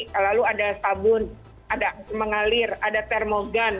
selalu ada sabun ada mengalir ada termogan